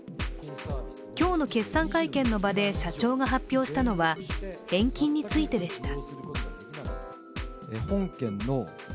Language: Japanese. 今日の決算会見の場で社長が発表しはたのは返金についてでした。